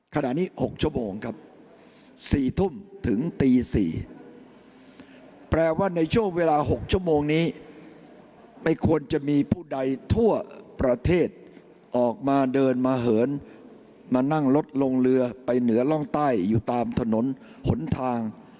ขณะนี้๖ชั่วโมงครับ๔ทุ่มถึงตี๔แปลว่าในช่วงเวลา๖ชั่วโมงนี้ไม่ควรจะมีผู้ใดทั่วประเทศออกมาเดินมาเหินมานั่งรถลงเรือไปเหนือร่องใต้อยู่ตามถนนหนทาง